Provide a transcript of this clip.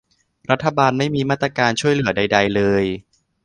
รัฐบาลไม่มีมาตรการช่วยเหลือใดใดเลย